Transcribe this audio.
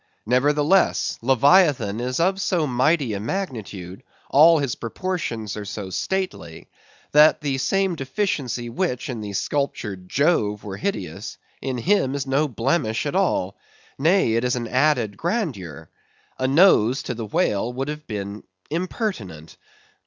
Nevertheless, Leviathan is of so mighty a magnitude, all his proportions are so stately, that the same deficiency which in the sculptured Jove were hideous, in him is no blemish at all. Nay, it is an added grandeur. A nose to the whale would have been impertinent.